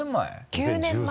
９年前。